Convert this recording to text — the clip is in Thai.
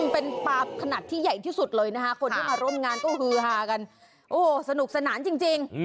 เป็นปลาขนาดที่ใหญ่ที่สุดเลยนะคะคนที่มาร่วมงานก็ฮือฮากันโอ้โหสนุกสนานจริง